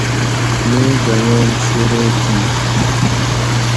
نیک عمال شروع کیر